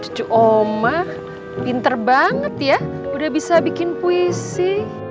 cucu oma pinter banget ya udah bisa bikin puisi